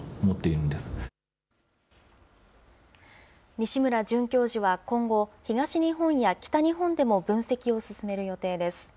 西村准教授は今後、東日本や北日本でも分析を進める予定です。